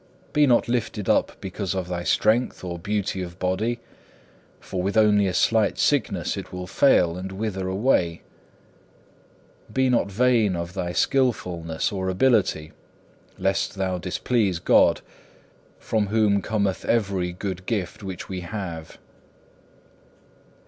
Be not lifted up because of thy strength or beauty of body, for with only a slight sickness it will fail and wither away. Be not vain of thy skilfulness or ability, lest thou displease God, from whom cometh every good gift which we have.